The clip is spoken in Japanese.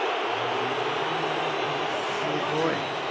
すごい。